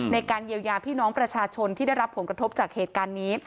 ในการเยียวยาพี่น้องประชาชนที่ได้รับผลกระทบจากเหตุการณ์นี้